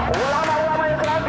walau walau yang terjadi